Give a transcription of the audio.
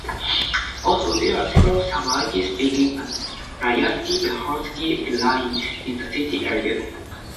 Also there are several Saraiki speaking and Rayasti Bahawalpuri Arain in the city area.